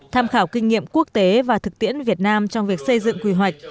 tham khảo kinh nghiệm quốc tế và thực tiễn việt nam trong việc xây dựng quy hoạch